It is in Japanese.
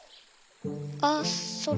あっそれ。